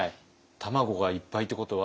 卵がいっぱいってことは？